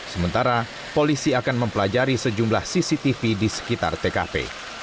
sementara polisi akan mempelajari sejumlah cctv di sekitar tkp